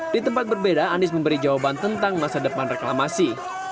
di tempat berbeda anies memberi jawaban tentang masa depan reklamasi